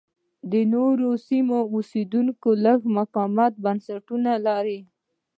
د نورو سیمو اوسېدونکو لږ متفاوت بنسټونه لرل